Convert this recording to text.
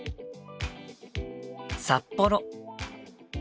札幌。